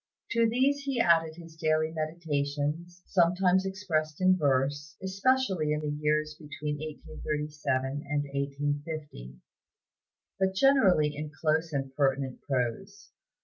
To these he added his daily meditations, sometimes expressed in verse, especially in the years between 1837 and 1850, but generally in close and pertinent prose.